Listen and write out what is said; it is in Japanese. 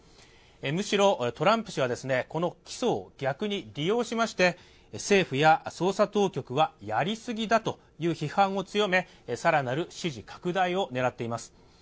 むしろトランプ氏はこの起訴を逆に利用しまして、政府や捜査当局はやりすぎだという批判を強め更なる支持拡大を狙っています。